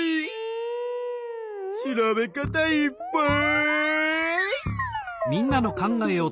調べ方いっぱい！